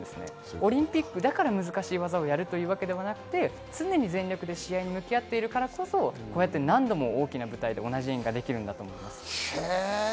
オリンピックだから難しい技をするのではなく、常に全力で試合に向き合っているからこそ何度も大きな舞台で同じ演技ができるんだと思います。